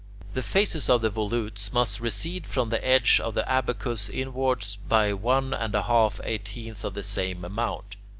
The faces of the volutes must recede from the edge of the abacus inwards by one and a half eighteenths of that same amount.